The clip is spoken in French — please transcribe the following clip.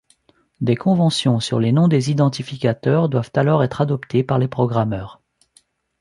Des conventions sur les noms des identificateurs doivent alors être adoptées par les programmeurs.